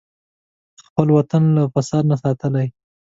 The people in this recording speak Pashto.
خپل وطن له فساد نه ساتلی.